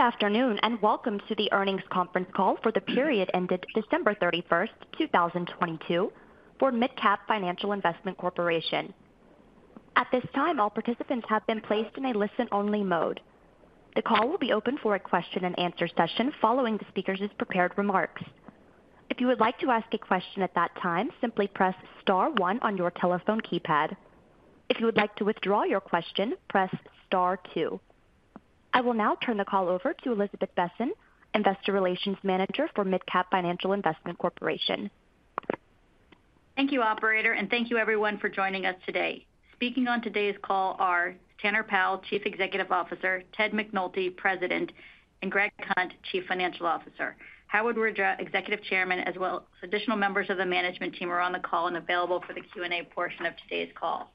Good afternoon, and welcome to the earnings conference call for the period ended 31st December, 2022 for MidCap Financial Investment Corporation. At this time, all participants have been placed in a listen-only mode. The call will be open for a question-and-answer session following the speaker's prepared remarks. If you would like to ask a question at that time, simply press star one on your telephone keypad. If you would like to withdraw your question, press star two. I will now turn the call over to Elizabeth Besen, Investor Relations Manager for MidCap Financial Investment Corporation. Thank you, operator, and thank you everyone for joining us today. Speaking on today's call are Tanner Powell, Chief Executive Officer, Ted McNulty, President, and Greg Hunt, Chief Financial Officer. Howard Widra, Executive Chairman, as well as additional members of the management team are on the call and available for the Q&A portion of today's call.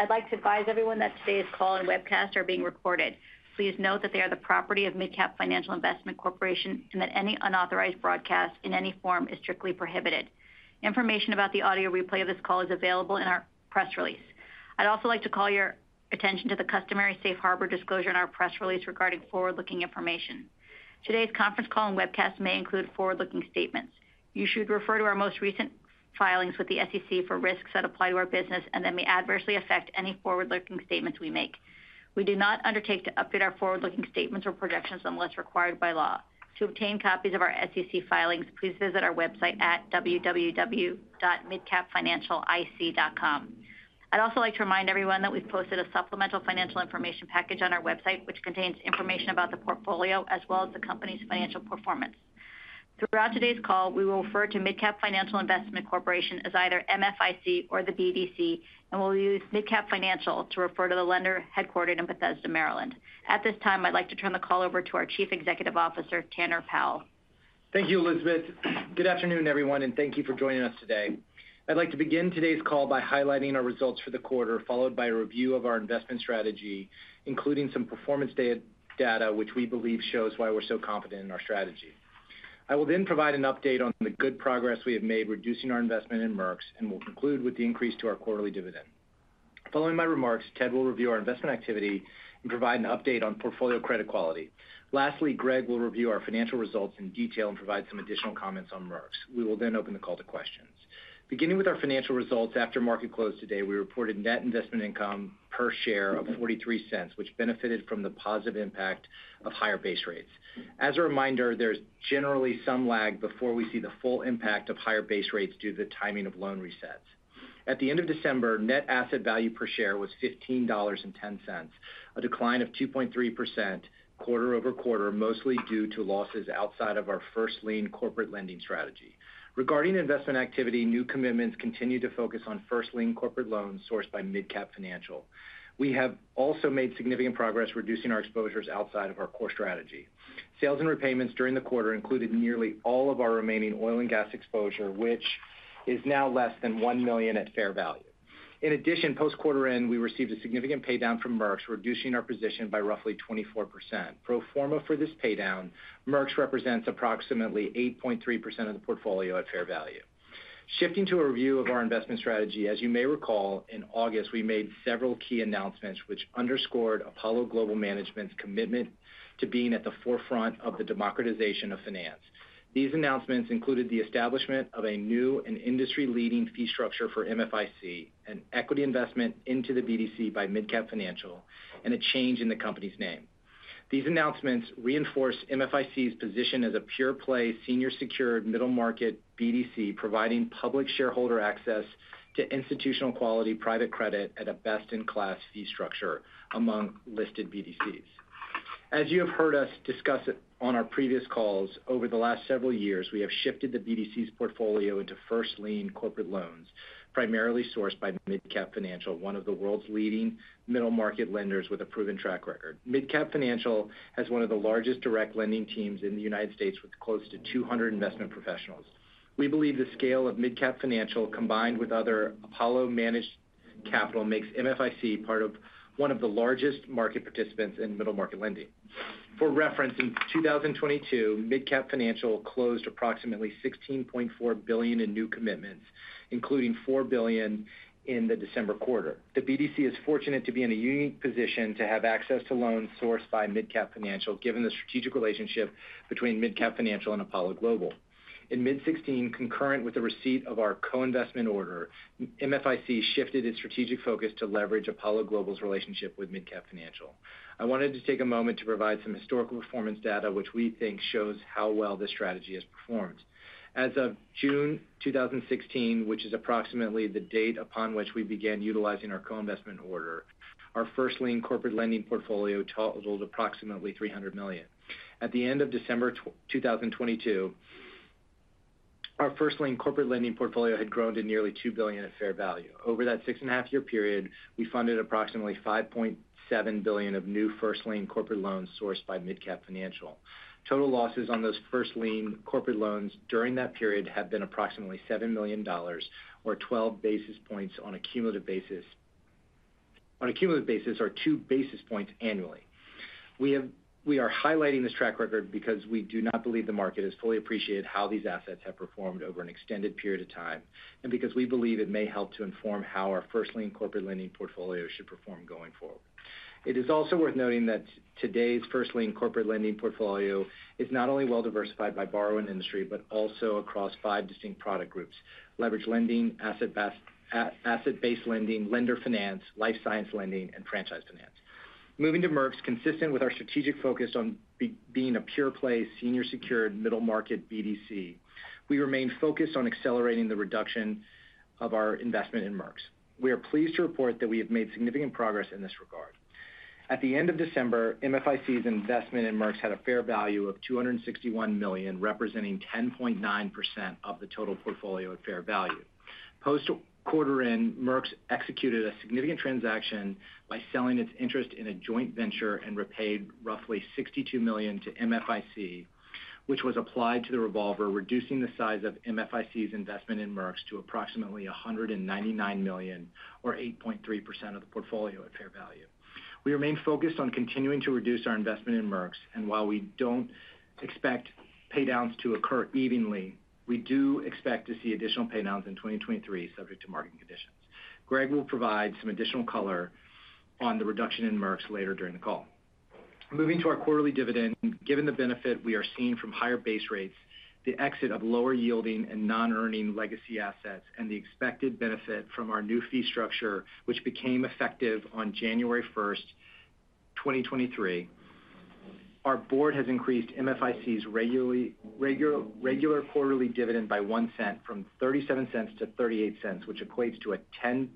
I'd like to advise everyone that today's call and webcast are being recorded. Please note that they are the property of MidCap Financial Investment Corporation, and that any unauthorized broadcast in any form is strictly prohibited. Information about the audio replay of this call is available in our press release. I'd also like to call your attention to the customary safe harbor disclosure in our press release regarding forward-looking information. Today's conference call and webcast may include forward-looking statements. You should refer to our most recent filings with the SEC for risks that apply to our business and that may adversely affect any forward-looking statements we make. We do not undertake to update our forward-looking statements or projections unless required by law. To obtain copies of our SEC filings, please visit our website at www.midcapfinancialic.com. I'd also like to remind everyone that we've posted a supplemental financial information package on our website, which contains information about the portfolio as well as the company's financial performance. Throughout today's call, we will refer to MidCap Financial Investment Corporation as either MFIC or the BDC, and we'll use MidCap Financial to refer to the lender headquartered in Bethesda, Maryland. At this time, I'd like to turn the call over to our Chief Executive Officer, Tanner Powell. Thank you, Elizabeth. Good afternoon, everyone, thank you for joining us today. I'd like to begin today's call by highlighting our results for the quarter, followed by a review of our investment strategy, including some performance data which we believe shows why we're so confident in our strategy. I will then provide an update on the good progress we have made reducing our investment in MERX, we'll conclude with the increase to our quarterly dividend. Following my remarks, Ted will review our investment activity and provide an update on portfolio credit quality. Lastly, Greg will review our financial results in detail and provide some additional comments on MERX. We will open the call to questions. Beginning with our financial results after market close today, we reported net investment income per share of $0.43, which benefited from the positive impact of higher base rates. As a reminder, there's generally some lag before we see the full impact of higher base rates due to the timing of loan resets. At the end of December, net asset value per share was $15.10, a decline of 2.3% quarter-over-quarter, mostly due to losses outside of our first lien corporate lending strategy. Regarding investment activity, new commitments continue to focus on first lien corporate loans sourced by MidCap Financial. We have also made significant progress reducing our exposures outside of our core strategy. Sales and repayments during the quarter included nearly all of our remaining oil and gas exposure, which is now less than $1 million at fair value. In addition, post quarter end, we received a significant pay down from MERX, reducing our position by roughly 24%. Pro forma for this pay down, MERX's represents approximately 8.3% of the portfolio at fair value. Shifting to a review of our investment strategy, as you may recall, in August, we made several key announcements which underscored Apollo Global Management's commitment to being at the forefront of the democratization of finance. These announcements included the establishment of a new and industry leading fee structure for MFIC, an equity investment into the BDC by MidCap Financial, and a change in the company's name. These announcements reinforce MFIC's position as a pure play, senior secured middle market BDC, providing public shareholder access to institutional quality private credit at a best-in-class fee structure among listed BDCs. As you have heard us discuss it on our previous calls, over the last several years, we have shifted the BDC's portfolio into first lien corporate loans, primarily sourced by MidCap Financial, one of the world's leading middle market lenders with a proven track record. MidCap Financial has one of the largest direct lending teams in the United States with close to 200 investment professionals. We believe the scale of MidCap Financial, combined with other Apollo-managed capital, makes MFIC part of one of the largest market participants in middle market lending. For reference, in 2022, MidCap Financial closed approximately $16.4 billion in new commitments, including $4 billion in the December quarter. The BDC is fortunate to be in a unique position to have access to loans sourced by MidCap Financial, given the strategic relationship between MidCap Financial and Apollo Global. In mid 2016, concurrent with the receipt of our co-investment order, MFIC shifted its strategic focus to leverage Apollo Global's relationship with MidCap Financial. I wanted to take a moment to provide some historical performance data which we think shows how well this strategy has performed. As of June 2016, which is approximately the date upon which we began utilizing our co-investment order, our first lien corporate lending portfolio totals approximately $300 million. At the end of December 2022, our first lien corporate lending portfolio had grown to nearly $2 billion at fair value. Over that six and a half year period, we funded approximately $5.7 billion of new first lien corporate loans sourced by MidCap Financial. Total losses on those first lien corporate loans during that period have been approximately $7 million or 12 basis points on a cumulative basis. On a cumulative basis are 2 basis points annually. We are highlighting this track record because we do not believe the market has fully appreciated how these assets have performed over an extended period of time, and because we believe it may help to inform how our first lien corporate lending portfolio should perform going forward. It is also worth noting that today's first lien corporate lending portfolio is not only well diversified by borrower and industry, but also across five distinct product groups, leverage lending, asset based lending, lender finance, life science lending, and franchise finance. Moving to MERX, consistent with our strategic focus on being a pure-play senior secured middle market BDC. We remain focused on accelerating the reduction of our investment in MERX. We are pleased to report that we have made significant progress in this regard. At the end of December, MFIC's investment in MERX had a fair value of $261 million, representing 10.9% of the total portfolio at fair value. Post-quarter in, MERX executed a significant transaction by selling its interest in a joint venture and repaid roughly $62 million to MFIC, which was applied to the revolver, reducing the size of MFIC's investment in MERX to approximately $199 million or 8.3% of the portfolio at fair value. While we don't expect pay downs to occur evenly, we do expect to see additional pay downs in 2023 subject to market conditions. Greg will provide some additional color on the reduction in MERX later during the call. Moving to our quarterly dividend. Given the benefit we are seeing from higher base rates, the exit of lower yielding and non-earning legacy assets, and the expected benefit from our new fee structure, which became effective on 1 January, 2023, our board has increased MFIC's regular quarterly dividend by $0.01 from $0.37 to $0.38, which equates to a 10%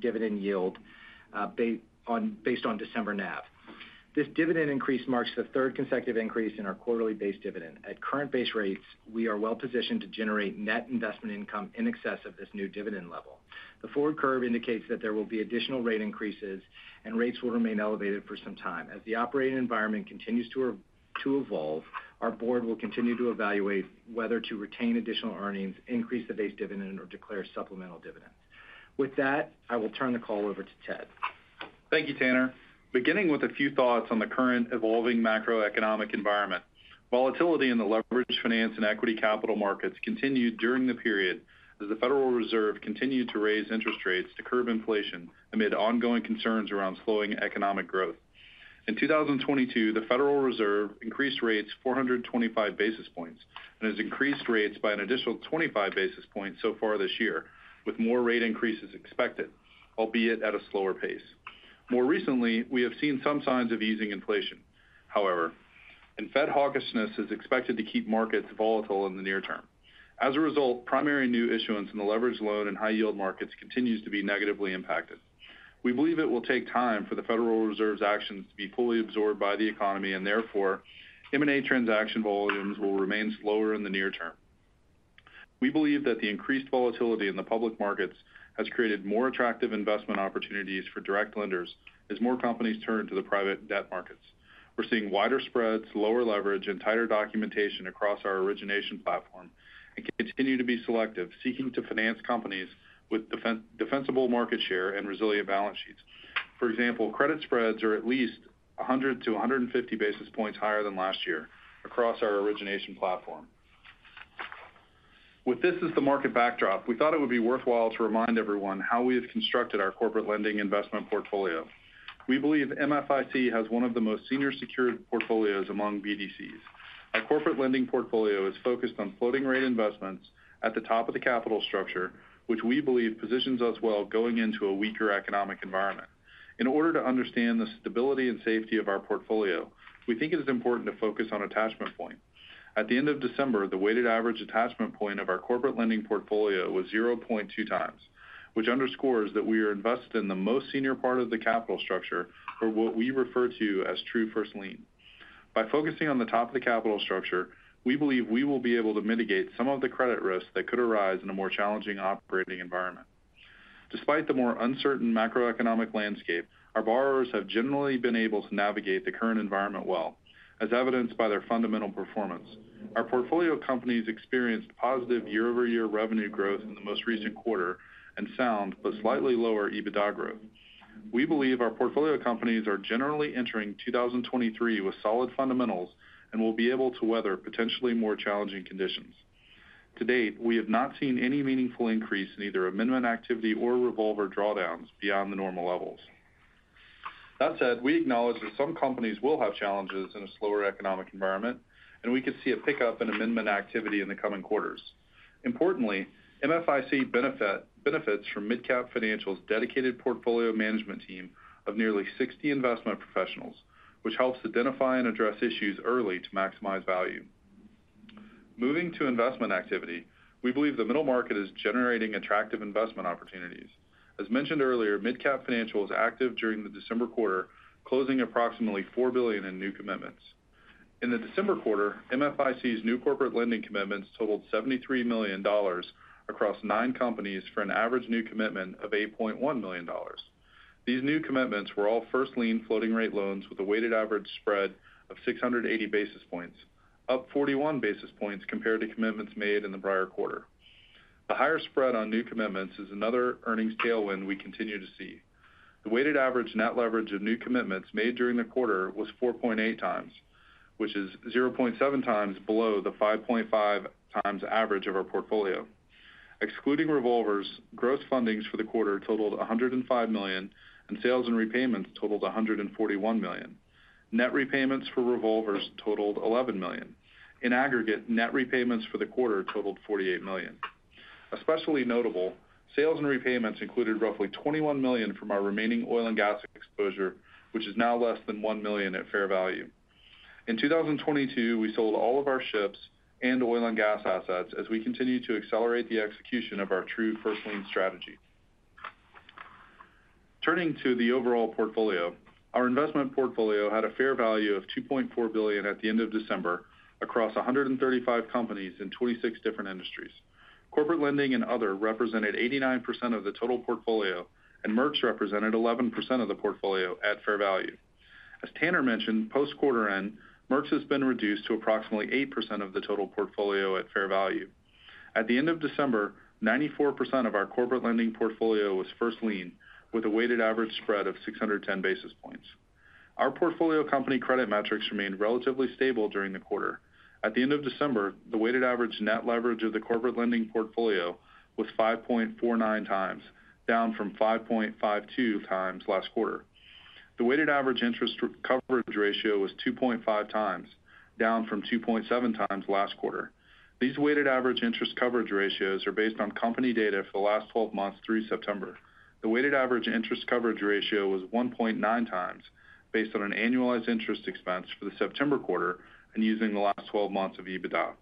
dividend yield, based on December NAV. This dividend increase marks the third consecutive increase in our quarterly base dividend. At current base rates, we are well positioned to generate net investment income in excess of this new dividend level. The forward curve indicates that there will be additional rate increases, and rates will remain elevated for some time. As the operating environment continues to evolve, our board will continue to evaluate whether to retain additional earnings, increase the base dividend, or declare supplemental dividends. With that, I will turn the call over to Ted. Thank you, Tanner. Beginning with a few thoughts on the current evolving macroeconomic environment. Volatility in the leveraged finance and equity capital markets continued during the period as the Federal Reserve continued to raise interest rates to curb inflation amid ongoing concerns around slowing economic growth. In 2022, the Federal Reserve increased rates 425 basis points and has increased rates by an additional 25 basis points so far this year, with more rate increases expected, albeit at a slower pace. More recently, we have seen some signs of easing inflation, however, Fed hawkishness is expected to keep markets volatile in the near term. As a result, primary new issuance in the leveraged loan and high yield markets continues to be negatively impacted. We believe it will take time for the Federal Reserve's actions to be fully absorbed by the economy, and therefore, M&A transaction volumes will remain slower in the near term. We believe that the increased volatility in the public markets has created more attractive investment opportunities for direct lenders as more companies turn to the private debt markets. We're seeing wider spreads, lower leverage, and tighter documentation across our origination platform and continue to be selective, seeking to finance companies with defensible market share and resilient balance sheets. For example, credit spreads are at least 100 basis points to 150 basis points higher than last year across our origination platform. With this as the market backdrop, we thought it would be worthwhile to remind everyone how we have constructed our corporate lending investment portfolio. We believe MFIC has one of the most senior secured portfolios among BDCs. Our corporate lending portfolio is focused on floating rate investments at the top of the capital structure, which we believe positions us well going into a weaker economic environment. In order to understand the stability and safety of our portfolio, we think it is important to focus on attachment points. At the end of December, the weighted average attachment point of our corporate lending portfolio was 0.2x, which underscores that we are invested in the most senior part of the capital structure for what we refer to as true first lien. By focusing on the top of the capital structure, we believe we will be able to mitigate some of the credit risks that could arise in a more challenging operating environment. Despite the more uncertain macroeconomic landscape, our borrowers have generally been able to navigate the current environment well, as evidenced by their fundamental performance. Our portfolio companies experienced positive year-over-year revenue growth in the most recent quarter and sound but slightly lower EBITDA growth. We believe our portfolio companies are generally entering 2023 with solid fundamentals and will be able to weather potentially more challenging conditions. To date, we have not seen any meaningful increase in either amendment activity or revolver drawdowns beyond the normal levels. That said, we acknowledge that some companies will have challenges in a slower economic environment, and we could see a pickup in amendment activity in the coming quarters. Importantly, MFIC benefits from MidCap Financial's dedicated portfolio management team of nearly 60 investment professionals, which helps identify and address issues early to maximize value. Moving to investment activity, we believe the middle market is generating attractive investment opportunities. As mentioned earlier, MidCap Financial was active during the December quarter, closing approximately $4 billion in new commitments. In the December quarter, MFIC's new corporate lending commitments totaled $73 million across nine companies for an average new commitment of $8.1 million. These new commitments were all first lien floating rate loans with a weighted average spread of 680 basis points, up 41 basis points compared to commitments made in the prior quarter. The higher spread on new commitments is another earnings tailwind we continue to see. The weighted average net leverage of new commitments made during the quarter was 4.8x. Which is 0.7x below the 5.5x average of our portfolio. Excluding revolvers, gross fundings for the quarter totaled $105 million, and sales and repayments totaled $141 million. Net repayments for revolvers totaled $11 million. In aggregate, net repayments for the quarter totaled $48 million. Especially notable, sales and repayments included roughly $21 million from our remaining oil and gas exposure, which is now less than $1 million at fair value. In 2022, we sold all of our ships and oil and gas assets as we continue to accelerate the execution of our true first lien strategy. Turning to the overall portfolio, our investment portfolio had a fair value of $2.4 billion at the end of December across 135 companies in 26 different industries. Corporate lending and other represented 89% of the total portfolio, and MERX represented 11% of the portfolio at fair value. As Tanner mentioned, post quarter end, MERX has been reduced to approximately 8% of the total portfolio at fair value. At the end of December, 94% of our corporate lending portfolio was first lien with a weighted average spread of 610 basis points. Our portfolio company credit metrics remained relatively stable during the quarter. At the end of December, the weighted average net leverage of the corporate lending portfolio was 5.49x, down from 5.52x last quarter. The weighted average interest coverage ratio was 2.5x, down from 2.7x last quarter. These weighted average interest coverage ratios are based on company data for the last 12 months through September. The weighted average interest coverage ratio was 1.9x based on an annualized interest expense for the September quarter and using the last 12 months of EBITDA.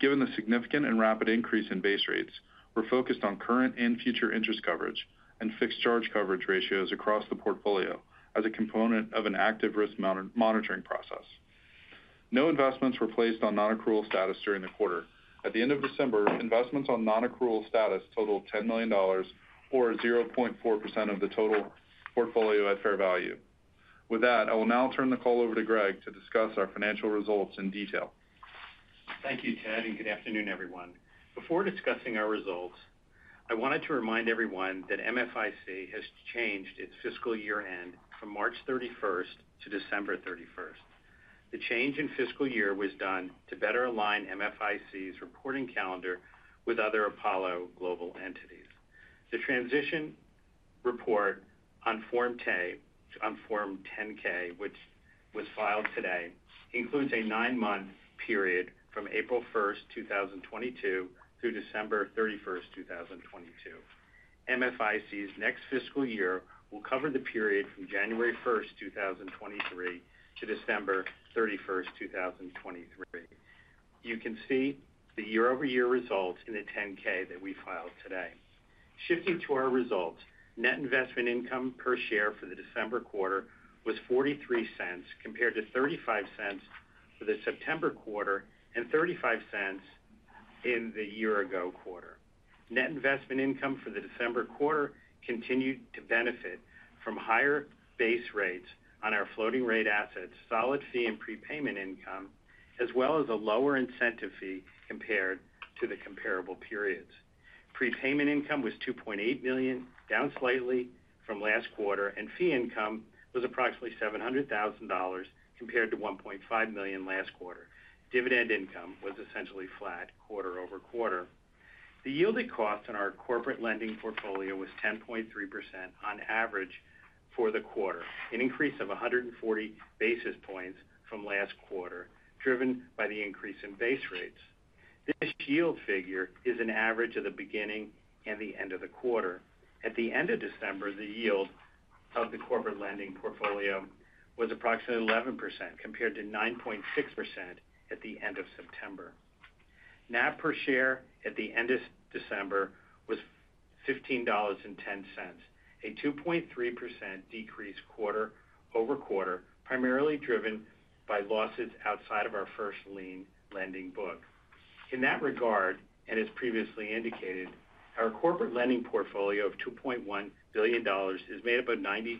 Given the significant and rapid increase in base rates, we're focused on current and future interest coverage and fixed charge coverage ratios across the portfolio as a component of an active risk monitoring process. No investments were placed on non-accrual status during the quarter. At the end of December, investments on non-accrual status totaled $10 million or 0.4% of the total portfolio at fair value. With that, I will now turn the call over to Greg to discuss our financial results in detail. Thank you, Ted. Good afternoon, everyone. Before discussing our results, I wanted to remind everyone that MFIC has changed its fiscal year-end from 31st March to 31st December. The change in fiscal year was done to better align MFIC's reporting calendar with other Apollo Global entities. The transition report on Form 10-K, which was filed today, includes a nine months period from 1st April, 2022 through 31st December, 2022. MFIC's next fiscal year will cover the period from 1st January, 2023 to 31st December, 2023. You can see the year-over-year results in the 10-K that we filed today. Shifting to our results. Net investment income per share for the December quarter was $0.43 compared to $0.35 for the September quarter and $0.35 in the year ago quarter. Net investment income for the December quarter continued to benefit from higher base rates on our floating rate assets, solid fee and prepayment income, as well as a lower incentive fee compared to the comparable periods. Prepayment income was $2.8 million, down slightly from last quarter. Fee income was approximately $700,000 compared to $1.5 million last quarter. Dividend income was essentially flat quarter-over-quarter. The yielded cost on our corporate lending portfolio was 10.3% on average for the quarter, an increase of 140 basis points from last quarter, driven by the increase in base rates. This yield figure is an average of the beginning and the end of the quarter. At the end of December, the yield of the corporate lending portfolio was approximately 11% compared to 9.6% at the end of September. NAV per share at the end of December was $15.10, a 2.3% decrease quarter-over-quarter, primarily driven by losses outside of our first lien lending book. In that regard, as previously indicated, our corporate lending portfolio of $2.1 billion is made up of 94%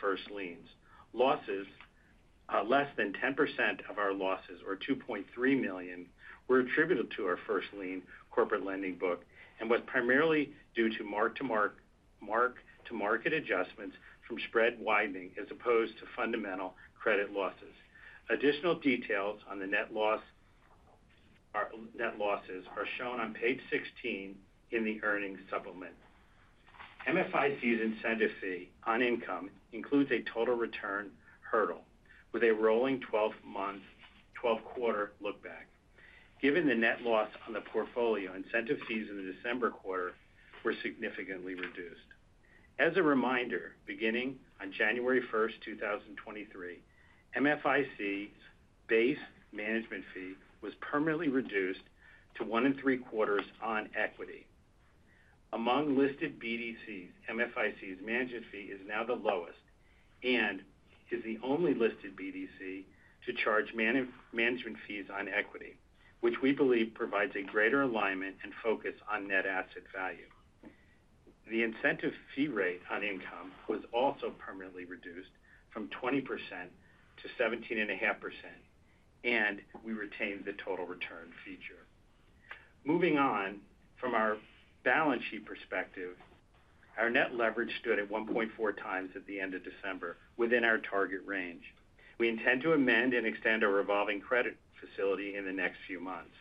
first liens. Losses, less than 10% of our losses or $2.3 million, were attributed to our first lien corporate lending book and was primarily due to mark-to-market adjustments from spread widening as opposed to fundamental credit losses. Additional details on the net losses are shown on page 16 in the earnings supplement. MFIC's incentive fee on income includes a total return hurdle with a rolling 12 month, Q12 look back. Given the net loss on the portfolio, incentive fees in the December quarter were significantly reduced. As a reminder, beginning on 1st January, 2023, MFIC's base management fee was permanently reduced to one and three quarters on equity. Among listed BDCs, MFIC's management fee is now the lowest and is the only listed BDC to charge management fees on equity, which we believe provides a greater alignment and focus on net asset value. The incentive fee rate on income was also permanently reduced from 20% to 17.5%, we retained the total return feature. Moving on from our balance sheet perspective. Our net leverage stood at 1.4x at the end of December within our target range. We intend to amend and extend our revolving credit facility in the next few months.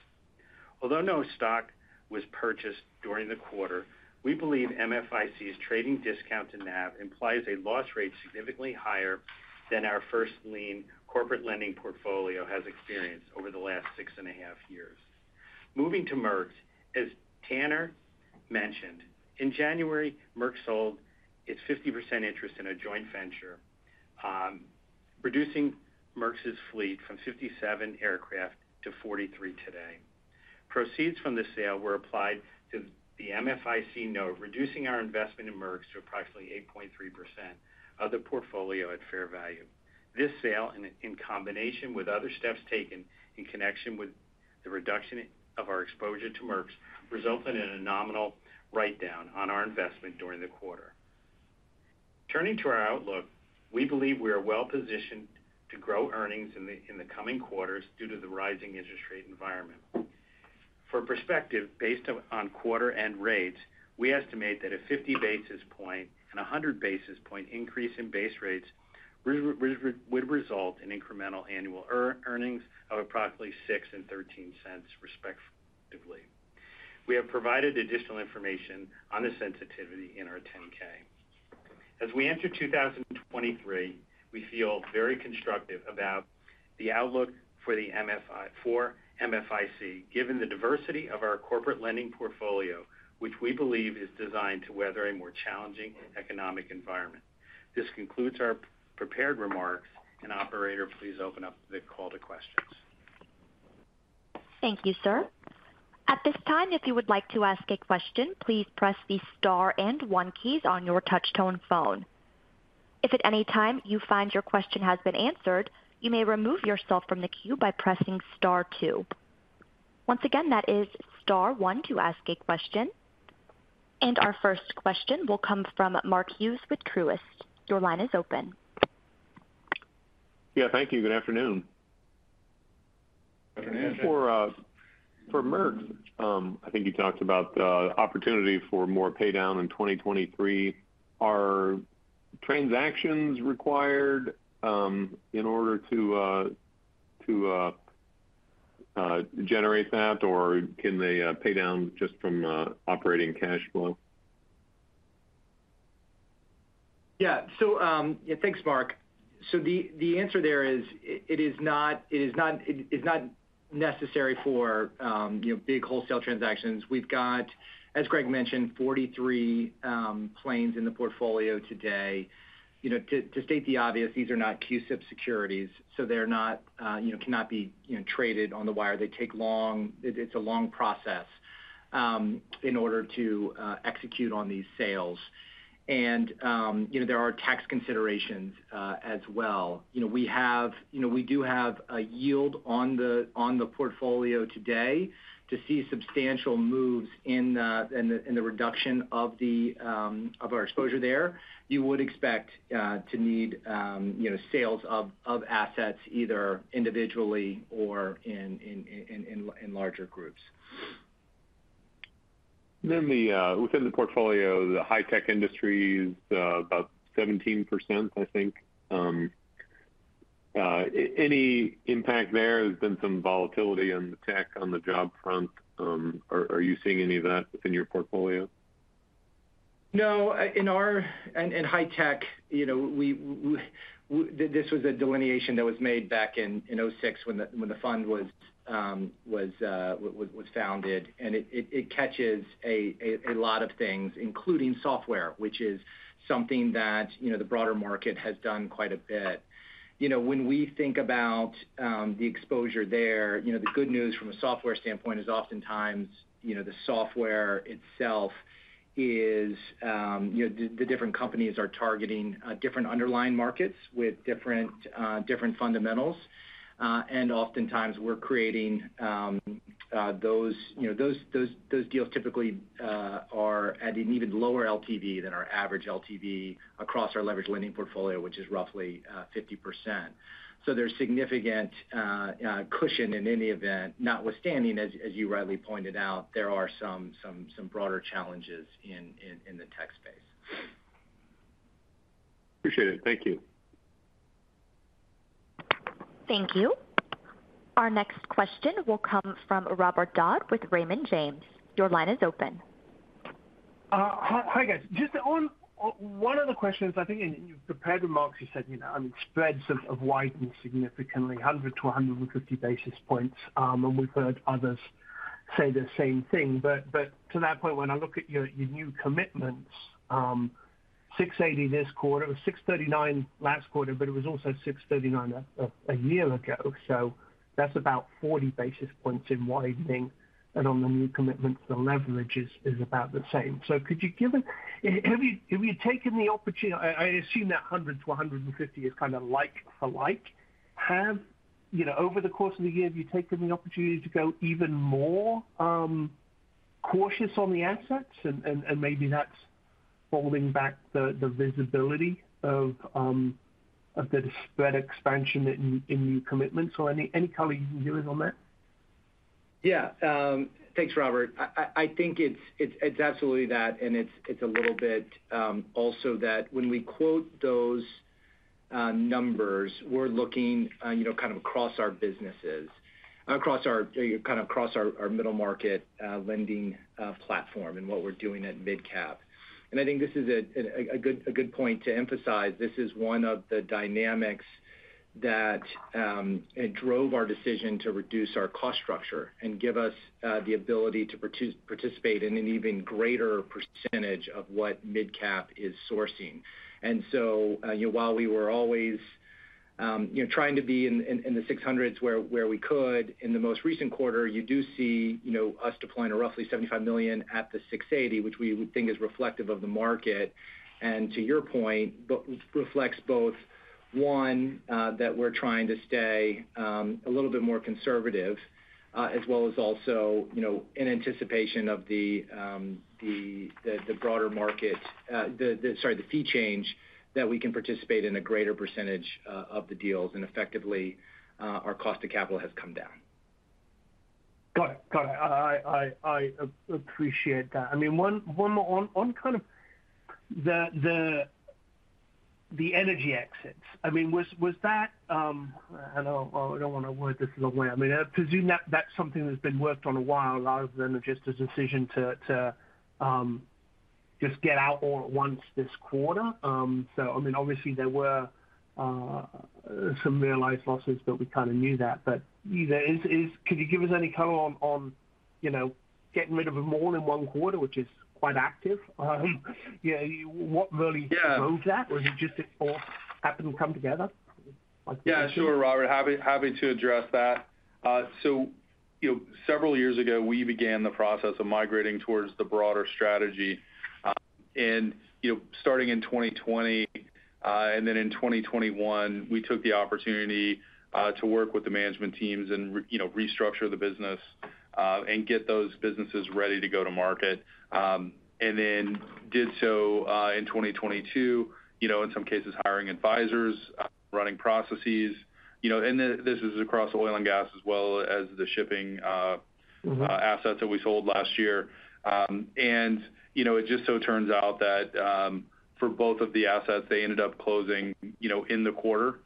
Although no stock was purchased during the quarter, we believe MFIC's trading discount to NAV implies a loss rate significantly higher than our first lien corporate lending portfolio has experienced over the last six and a half years. Moving to MERX's. As Tanner mentioned, in January, MERX sold its 50% interest in a joint venture, reducing MERX's fleet from 57 aircraft to 43 aircrafts today. Proceeds from the sale were applied to the MFIC note, reducing our investment in MERX's to approximately 8.3% of the portfolio at fair value. This sale, in combination with other steps taken in connection with the reduction of our exposure to MERX's, resulted in a nominal write-down on our investment during the quarter. Turning to our outlook, we believe we are well-positioned to grow earnings in the coming quarters due to the rising interest rate environment. For perspective, based on quarter end rates, we estimate that a 50 basis point and a 100 basis point increase in base rates would result in incremental annual earnings of approximately $0.06 and $0.13, respectively. We have provided additional information on the sensitivity in our 10-K. As we enter 2023, we feel very constructive about the outlook for MFIC, given the diversity of our corporate lending portfolio, which we believe is designed to weather a more challenging economic environment. This concludes our prepared remarks. Operator, please open up the call to questions. Thank you, sir. At this time, if you would like to ask a question, please press the star and one keys on your touch tone phone. If at any time you find your question has been answered, you may remove yourself from the queue by pressing star two. Once again, that is star one to ask a question. Our first question will come from Mark Hughes with Truist. Your line is open. Yeah, thank you. Good afternoon. Good afternoon. For MERX, I think you talked about the opportunity for more paydown in 2023. Are transactions required in order to generate that? Can they pay down just from operating cash flow? Thanks, Mark. The answer there is it's not necessary for big wholesale transactions. We've got, as Greg mentioned, 43 planes in the portfolio today. You know, to state the obvious, these are not CUSIP securities, so they're not, you know, cannot be, you know, traded on the wire. It's a long process in order to execute on these sales. You know, there are tax considerations as well. You know, we have, you know, we do have a yield on the portfolio today to see substantial moves in the reduction of our exposure there. You would expect to need, you know, sales of assets either individually or in larger groups. Within the portfolio, the high-tech industry is about 17%, I think. Any impact there has been some volatility on the tech on the job front. Are you seeing any of that within your portfolio? No. In our high-tech, you know, we this was a delineation that was made back in 2006 when the fund was founded. It catches a lot of things, including software, which is something that, you know, the broader market has done quite a bit. You know, when we think about the exposure there, you know, the good news from a software standpoint is oftentimes, you know, the software itself is, you know, the different companies are targeting different underlying markets with different fundamentals. Oftentimes we're creating those, you know, those deals typically are at an even lower LTV than our average LTV across our leverage lending portfolio, which is roughly 50%. There's significant cushion in any event, notwithstanding, as you rightly pointed out, there are some broader challenges in the tech space. Appreciate it. Thank you. Thank you. Our next question will come from Robert Dodd with Raymond James. Your line is open. Hi, guys. Just on one of the questions, I think you compared to Mark's, you said, you know, I mean, spreads have widened significantly, 100 basis points to 150 basis points. We've heard others say the same thing. To that point, when I look at your new commitments, $680 million this quarter, it was $639 million last quarter, but it was also $639 million a year ago. That's about 40 basis points in widening. On the new commitments, the leverage is about the same. Have you taken the opportunity? I assume that 100 to 150 is kind of like for like. Have, you know, over the course of the year, have you taken the opportunity to go even more cautious on the assets and maybe that's holding back the visibility of the spread expansion in new commitments or any color you can give us on that? Yeah. Thanks, Robert. I think it's absolutely that, and it's a little bit also that when we quote those numbers, we're looking, you know, kind of across our businesses. Across our kind of across our middle market lending platform and what we're doing at MidCap. I think this is a good point to emphasize. This is one of the dynamics that it drove our decision to reduce our cost structure and give us the ability to participate in an even greater percentage of what MidCap is sourcing. You know, while we were always, you know, trying to be in, in the six hundreds where we could, in the most recent quarter, you do see, you know, us deploying a roughly $75 million at the 680, which we would think is reflective of the market. To your point, reflects both, one, that we're trying to stay a little bit more conservative, as well as also, you know, in anticipation of the broader market. The, sorry, the fee change that we can participate in a greater percentage of the deals, and effectively, our cost of capital has come down. Got it. I appreciate that. I mean, one more. One kind of the energy exits. I mean, was that I don't wanna word this the wrong way. I mean, I presume that's something that's been worked on a while rather than just a decision to just get out all at once this quarter. I mean, obviously there were some realized losses, but we kind of knew that. You know, is could you give us any color on, you know, getting rid of them all in one quarter, which is quite active? You know, what really drove that? Yeah. Or is it just it all happened to come together? Yeah, sure, Robert. Happy to address that. You know, several years ago, we began the process of migrating towards the broader strategy. You know, starting in 2020, and then in 2021, we took the opportunity to work with the management teams and you know, restructure the business, and get those businesses ready to go to market. Then did so, in 2022. You know, in some cases, hiring advisors, running processes, you know. This is across oil and gas as well as the shipping assets that we sold last year. You know, it just so turns out that for both of the assets, they ended up closing, you know, in the quarter,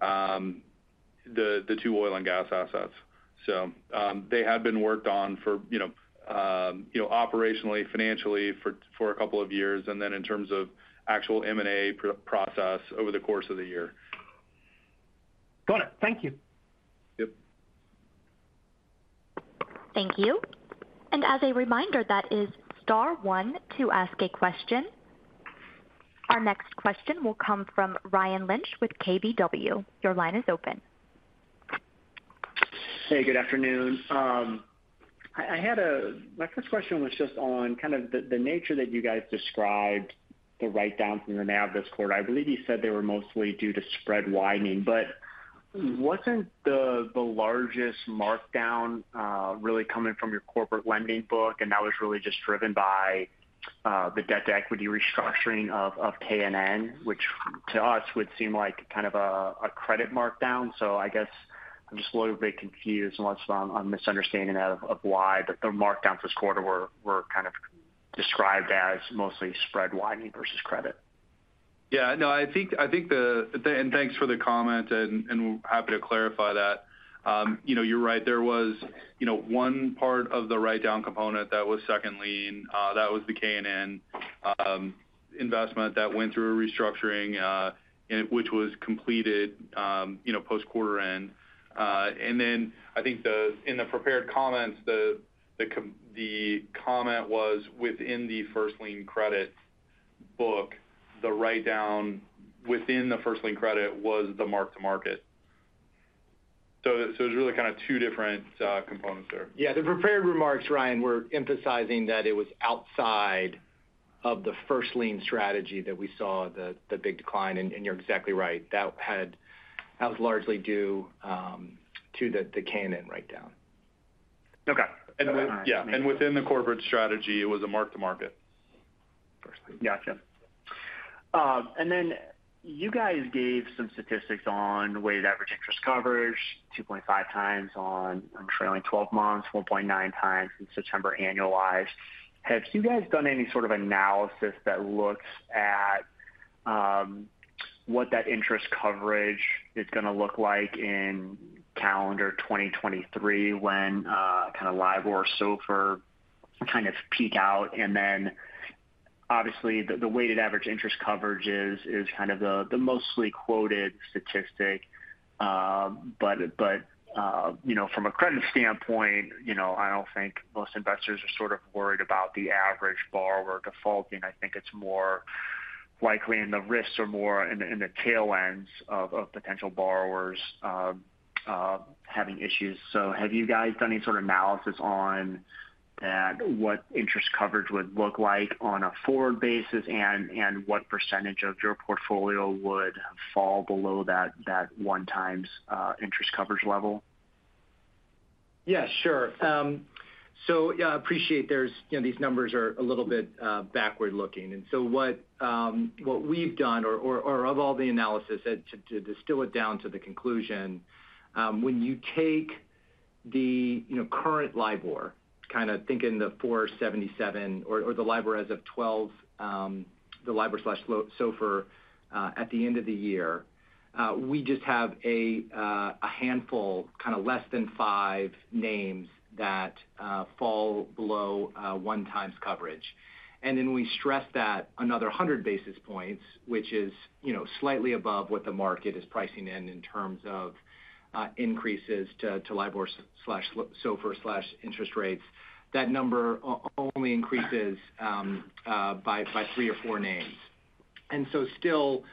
the two oil and gas assets. They had been worked on for, you know, you know, operationally, financially for a couple of years, and then in terms of actual M&A process over the course of the year. Got it. Thank you. Yep. Thank you. As a reminder, that is star one to ask a question. Our next question will come from Ryan Lynch with KBW. Your line is open. Good afternoon. I had my first question was just on kind of the nature that you guys described the write down from the NAV this quarter. Wasn't the largest markdown really coming from your corporate lending book, and that was really just driven by the debt to equity restructuring of KNN, which to us would seem like kind of a credit markdown. I guess I'm just a little bit confused unless I'm misunderstanding of why the markdowns this quarter were kind of described as mostly spread widening versus credit. Yeah. No, I think, Thanks for the comment, and happy to clarify that. You know, you're right. There was, you know, one part of the write down component that was second lien, that was the KNN investment that went through a restructuring, and which was completed, you know, post quarter end. Then I think in the prepared comments, the comment was within the first lien credit book, the write down within the first lien credit was the mark-to-market. It's really kind of two different components there. Yeah. The prepared remarks, Ryan, were emphasizing that it was outside of the first lien strategy that we saw the big decline. You're exactly right. That was largely due to the KNN write down. Okay. Yeah. Within the corporate strategy, it was a mark-to-market first lien. Gotcha. Then you guys gave some statistics on weighted average interest coverage, 2.5x on trailing 12 months, 1.9x in September annualized. Have you guys done any sort of analysis that looks at what that interest coverage is gonna look like in calendar 2023 when kind of LIBOR or SOFR kind of peak out? Then obviously the weighted average interest coverage is kind of the mostly quoted statistic. But, you know, from a credit standpoint, you know, I don't think most investors are sort of worried about the average borrower defaulting. I think it's more likely and the risks are more in the tail ends of potential borrowers having issues. Have you guys done any sort of analysis on that, what interest coverage would look like on a forward basis and what percentage of your portfolio would fall below that one times interest coverage level? Yeah, sure. Yeah, appreciate there's, you know, these numbers are a little bit backward-looking. What we've done or of all the analysis and to distill it down to the conclusion, when you take the, you know, current LIBOR, kinda think in the 4.77 or the LIBOR as of 12, the LIBOR/SOFR at the end of the year, we just have a handful, kinda less than five names that fall below one times coverage. Then we stress that another 100 basis points, which is, you know, slightly above what the market is pricing in in terms of increases to LIBOR/SOFR/interest rates. That number only increases by three or four names. Still,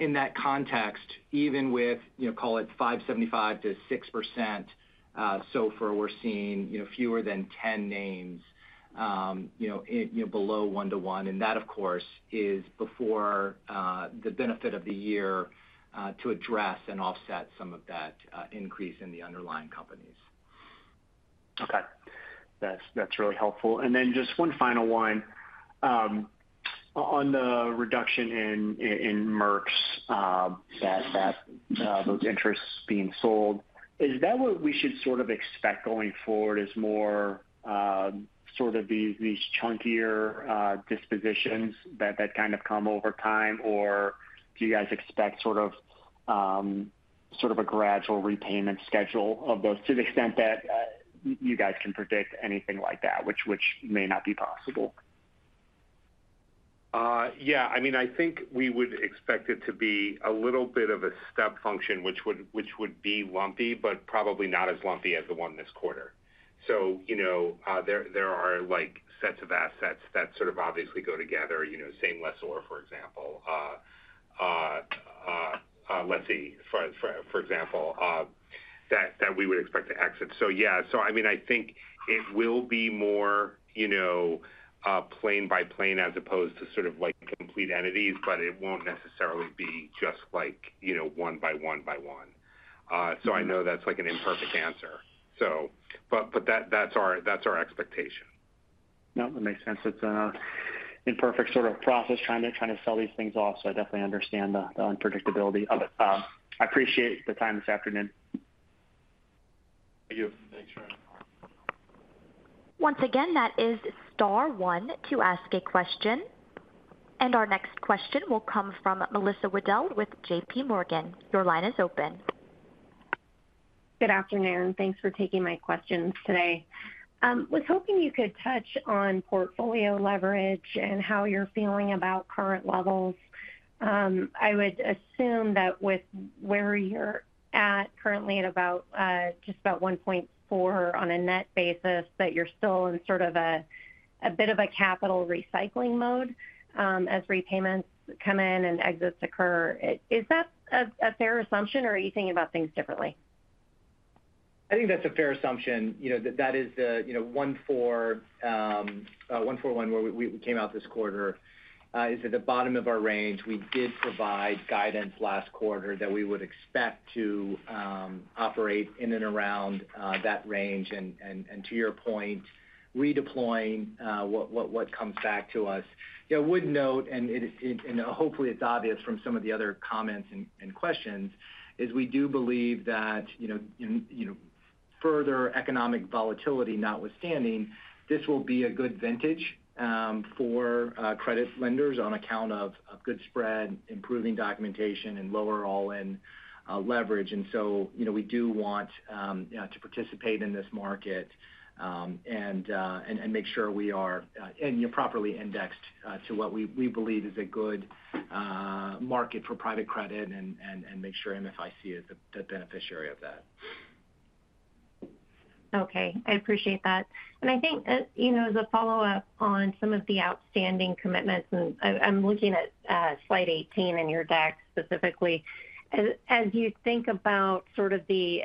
in that context, even with, you know, call it 5.75% to 6%, SOFR, we're seeing, you know, fewer than 10 names, you know, below one-to-one, and that of course, is before, the benefit of the year, to address and offset some of that, increase in the underlying companies. Okay. That's, that's really helpful. Just one final one. On the reduction in Merck, that those interests being sold, is that what we should sort of expect going forward as more, sort of these chunkier dispositions that kind of come over time? Or do you guys expect sort of a gradual repayment schedule of those to the extent that you guys can predict anything like that, which may not be possible? Yeah. I mean, I think we would expect it to be a little bit of a step function, which would, which would be lumpy, but probably not as lumpy as the one this quarter. You know, there are like sets of assets that sort of obviously go together, you know, same lessor, for example. Let's see. For example, that we would expect to exit. Yeah, so I mean, I think it will be more, you know, plane by plane as opposed to sort of like complete entities, but it won't necessarily be just like, you know, one by one by one. I know that's like an imperfect answer. But that's our expectation. No, that makes sense. It's an imperfect sort of process trying to sell these things off. I definitely understand the unpredictability of it. I appreciate the time this afternoon. Thank you. Thanks. Once again, that is star one to ask a question. Our next question will come from Melissa Wedel with JPMorgan. Your line is open. Good afternoon. Thanks for taking my questions today. Was hoping you could touch on portfolio leverage and how you're feeling about current levels? I would assume that with where you're at currently at about, just about 1.4 on a net basis, that you're still in sort of a bit of a capital recycling mode, as repayments come in and exits occur. Is that a fair assumption or are you thinking about things differently? I think that's a fair assumption. You know, that is the, you know, 141, where we came out this quarter, is at the bottom of our range. We did provide guidance last quarter that we would expect to operate in and around that range. And to your point, redeploying what comes back to us. Yeah, I would note, and hopefully it's obvious from some of the other comments and questions, is we do believe that, you know, in, you know, further economic volatility notwithstanding, this will be a good vintage for credit lenders on account of a good spread, improving documentation and lower all-in leverage. You know, we do want to participate in this market, and make sure we are, and, you know, properly indexed to what we believe is a good market for private credit and make sure MFIC is the beneficiary of that. Okay. I appreciate that. I think, you know, as a follow-up on some of the outstanding commitments, I'm looking at, slide 18 in your deck specifically. As you think about sort of the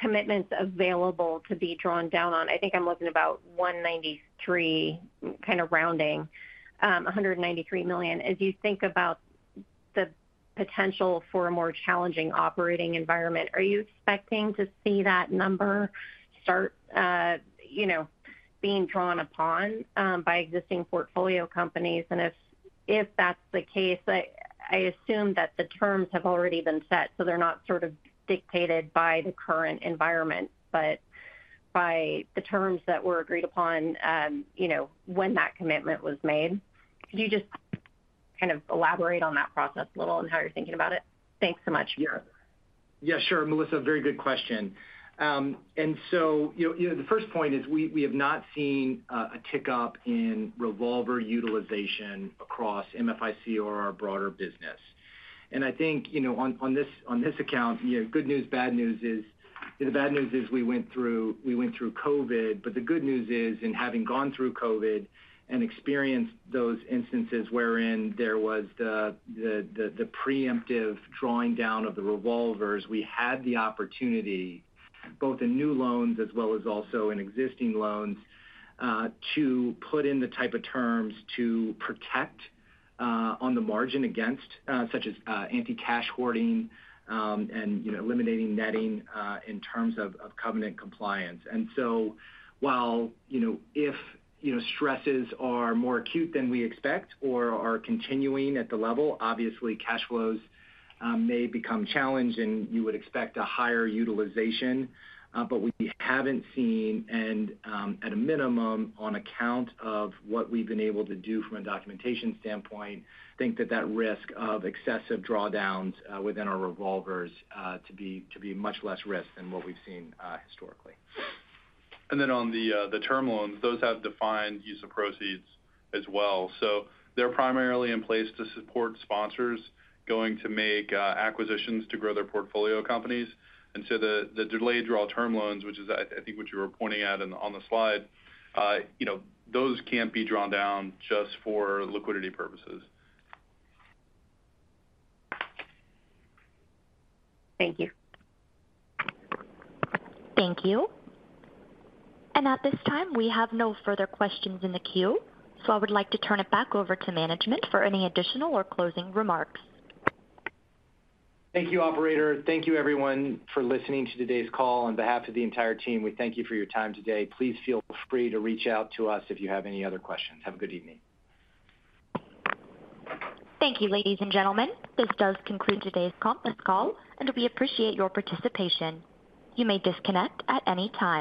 commitments available to be drawn down on, I think I'm looking about 193, kind of rounding, $193 million. As you think about the potential for a more challenging operating environment, are you expecting to see that number start, you know, being drawn upon, by existing portfolio companies? If that's the case, I assume that the terms have already been set, so they're not sort of dictated by the current environment, but by the terms that were agreed upon, you know, when that commitment was made. Could you just kind of elaborate on that process a little and how you're thinking about it? Thanks so much. Yeah, sure, Melissa, very good question. You know, the first point is we have not seen a tick up in revolver utilization across MFIC or our broader business. I think, you know, on this account, you know, good news, bad news is: the bad news is we went through COVID. The good news is in having gone through COVID and experienced those instances wherein there was the preemptive drawing down of the revolvers. We had the opportunity, both in new loans as well as also in existing loans, to put in the type of terms to protect on the margin against such as anti-cash hoarding, and, you know, eliminating netting in terms of covenant compliance. While, you know, if, you know, stresses are more acute than we expect or are continuing at the level, obviously cash flows may become challenged and you would expect a higher utilization. But we haven't seen and, at a minimum, on account of what we've been able to do from a documentation standpoint, think that that risk of excessive drawdowns within our revolvers to be much less risk than what we've seen historically. On the term loans, those have defined use of proceeds as well. They're primarily in place to support sponsors going to make, acquisitions to grow their portfolio companies. The, the delayed draw term loans, which is, I think what you were pointing at on the slide, you know, those can't be drawn down just for liquidity purposes. Thank you. Thank you. At this time, we have no further questions in the queue, so I would like to turn it back over to management for any additional or closing remarks. Thank you, operator. Thank you everyone for listening to today's call. On behalf of the entire team, we thank you for your time today. Please feel free to reach out to us if you have any other questions. Have a good evening. Thank you, ladies and gentlemen. This does conclude today's conference call. We appreciate your participation. You may disconnect at any time.